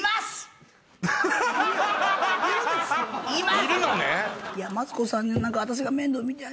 いるのね。